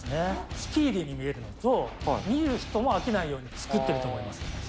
スピーディーに見えるのと、見る人も見えないように作っていると思います。